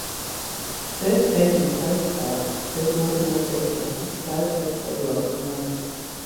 First Open Cloud Park co-organization at Cloud Expo Europe in London.